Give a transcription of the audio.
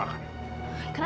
aku udah pintu tuh